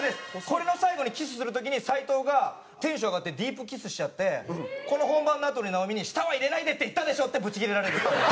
これの最後にキスする時に斉藤がテンション上がってディープキスしちゃってこの本番のあとに直美に舌は入れないでって言ったでしょってブチギレられるっていう。